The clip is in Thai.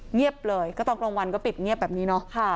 เงียบเลยก็ตอนกลางวันก็ปิดเงียบแบบนี้เนาะ